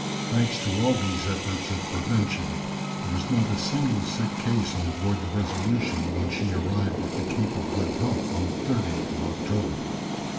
Thanks to all these efforts at prevention there was not a single sick case on board the Resolution when she arrived at the Cape of Good Hope on the 30th of October.